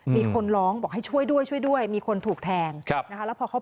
มีคนร้องบอกให้ช่วยด้วยช่วยด้วยมีคนถูกแทงแล้วพอเข้าไปดูก็เห็นภาพนี้ละค่ะ